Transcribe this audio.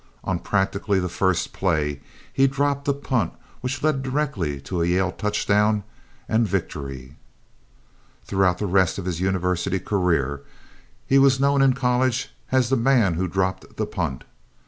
On practically the first play he dropped a punt which led directly to a Yale touchdown and victory. Throughout the rest of his university career he was known in college as "the man who dropped the punt."